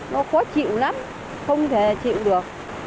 nó khó chịu lắm không thể chịu được